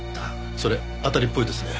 それ当たりっぽいですね。